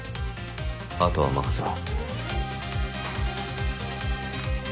あとは任せろ。